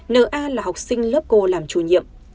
n a là học sinh lớp cô làm chủ nhiệm